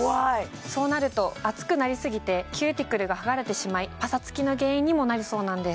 そうなると熱くなりすぎてキューティクルが剥がれてしまいパサつきの原因にもなるそうなんです